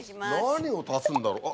何を足すんだろう？